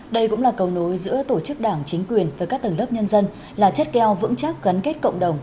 đây cũng là cầu nối giữa tổ chức đảng chính quyền và các tầng lớp nhân dân là chất keo vững chắc gắn kết cộng đồng